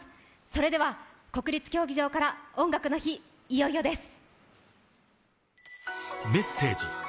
それでは、国立競技場から「音楽の日」、いよいよです。